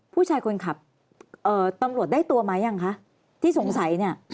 ผู้ชายคนขับตำรวจได้ตัวไหมยังคะที่สงสัยเนี่ย